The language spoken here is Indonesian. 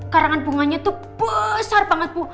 karangan bunganya itu besar banget bu